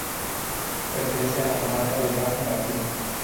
Pertenece a la Comarca del Bajo Martín